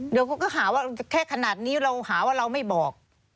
เดี๋ยวเขาก็หาว่าแค่ขนาดนี้เราหาว่าเราไม่บอก